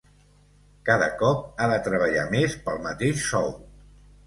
Cada cop ha de treballar més pel mateix sou.